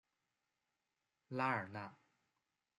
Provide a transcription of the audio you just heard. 拉尔纳。